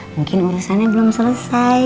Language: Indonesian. mungkin urusannya belum selesai